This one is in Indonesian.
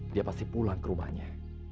dia pasti pulang ke rumahnya